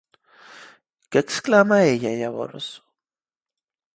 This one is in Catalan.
Què exclama ella llavors?